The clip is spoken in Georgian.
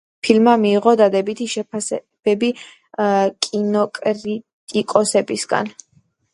ფილმმა მიიღო დადებითი შეფასებები კინოკრიტიკოსებისგან.